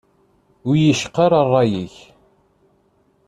Ur iy-icqa ara rray-ik.